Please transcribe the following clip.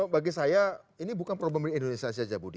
bagi saya ini bukan problem indonesia saja budi